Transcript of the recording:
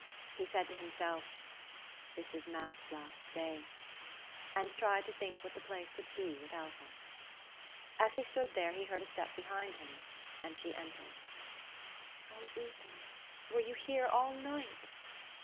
He said to himself: "This is Matt's last day," and tried to think what the place would be without her. As he stood there he heard a step behind him and she entered. "Oh, Ethan were you here all night?"